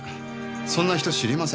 そんな人知りません。